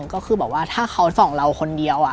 ก็คือบอกว่าถ้าเขาส่องเราคนเดียว